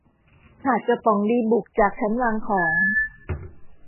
ขาดกระป๋องดีบุกจากชั้นวางของ